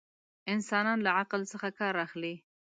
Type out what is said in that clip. انسانان له عقل څخه ڪار اخلي.